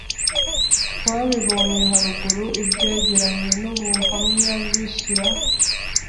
twabibonye haruguru, ibyegeranyo n'ubuhamya bishyira